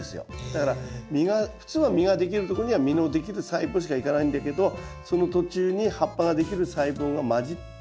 だから普通は実ができるとこには実のできる細胞しか行かないんだけどその途中に葉っぱができる細胞が混じってこういう状態になると。